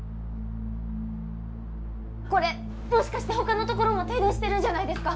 これもしかして他の所も停電してるんじゃないですか？